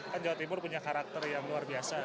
kan jawa timur punya karakter yang luar biasa